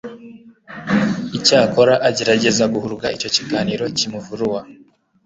icyakora agerageza guhuruga icyo kiganiro kimuvurua.